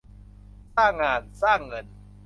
สร้างงาน สร้างเงิน